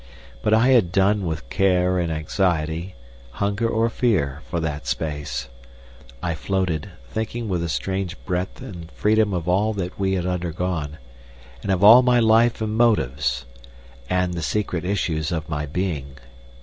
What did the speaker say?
But I had done with care and anxiety, hunger or fear, for that space. I floated, thinking with a strange breadth and freedom of all that we had undergone, and of all my life and motives, and the secret issues of my being.